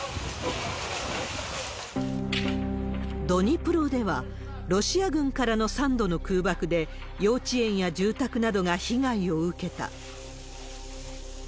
ドニプロでは、ロシア軍からの３度の空爆で、幼稚園や住宅などが被害を受けた。